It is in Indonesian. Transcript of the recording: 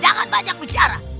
jangan banyak bicara